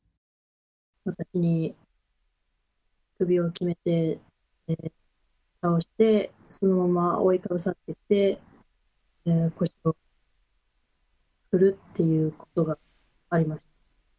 私に首をきめて倒して、そのまま覆いかぶさってきて、腰を振るっていうことがありました。